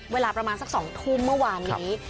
เวลาประมาณสัก๒ทุ่มเมื่อวานนี้